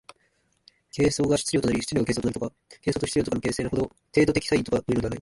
形相が質料となり質料が形相となるとか、形相と質料とか形成の程度的差異とかというのではない。